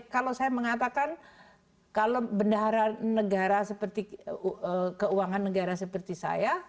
kalau saya mengatakan kalau bendahara negara seperti keuangan negara seperti saya